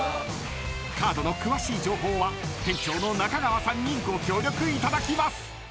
［カードの詳しい情報は店長の中川さんにご協力いただきます］